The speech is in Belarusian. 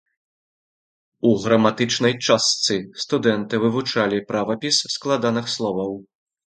У граматычнай частцы студэнты вывучалі правапіс складаных словаў.